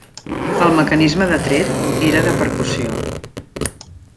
El mecanisme de tret era de percussió.